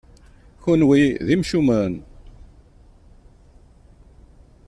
Kenwi d imcumen!